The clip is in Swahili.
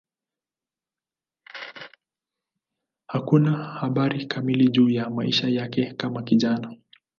Hakuna habari kamili juu ya maisha yake kama kijana.